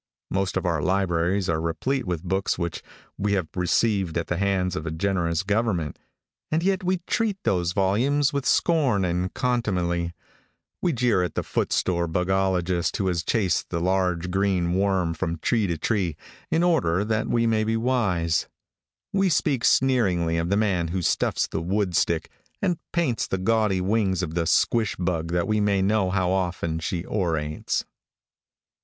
Most of our libraries are replete with books which we have received at the hands of a generous government, and yet we treat those volumes with scorn and contumely. We jeer at the footsore bugologist who has chased the large, green worm from tree to tree, in order that we may be wise. We speak sneeringly of the man who stuffs the woodtick, and paints the gaudy wings of the squash bug that we may know how often she orates.